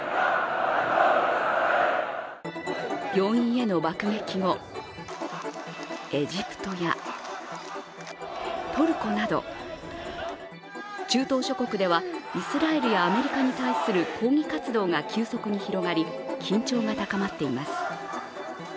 病院への爆撃後、エジプトやトルコなど中東諸国ではイスラエルやアメリカに対する抗議活動が急速に広がり、緊張が高まっています。